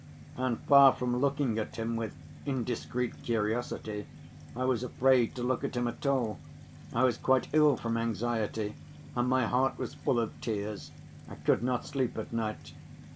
And far from looking at him with indiscreet curiosity, I was afraid to look at him at all. I was quite ill from anxiety, and my heart was full of tears. I could not sleep at night.